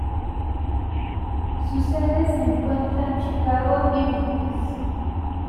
Su sede se encuentra en Chicago, Illinois.